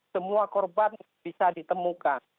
semua korban bisa ditemukan